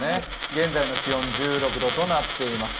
現在の気温１６度となっています。